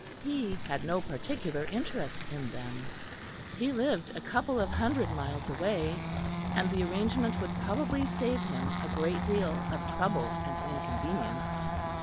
He had no particular interest in them; he lived a couple of hundred miles away, and the arrangement would probably save him a great deal of trouble and inconvenience.